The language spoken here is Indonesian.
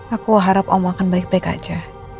aku harap allah akan baik baik aja